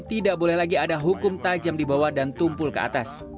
tidak boleh lagi ada hukum tajam di bawah dan tumpul ke atas